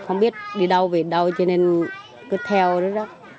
không biết đi đâu về đâu cho nên cứ theo đó đó